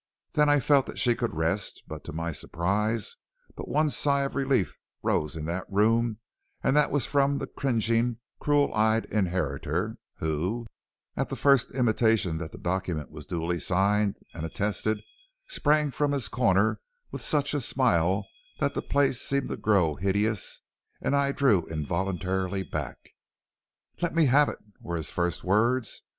Then I felt that she could rest; but to my surprise but one sigh of relief rose in that room, and that was from the cringing, cruel eyed inheritor, who, at the first intimation that the document was duly signed and attested, sprang from his corner with such a smile that the place seemed to grow hideous, and I drew involuntarily back. "'Let me have it,' were his first words.